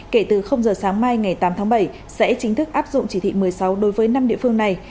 kể từ giờ sáng mai ngày tám tháng bảy sẽ chính thức áp dụng chỉ thị một mươi sáu đối với năm địa phương này